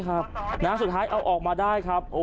สุดท้ายเอาออกมาได้ครับ